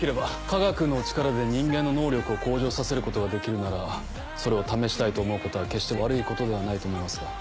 科学の力で人間の能力を向上させることができるならそれを試したいと思うことは決して悪いことではないと思いますが。